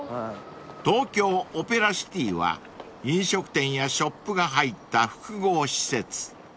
［東京オペラシティは飲食店やショップが入った複合施設］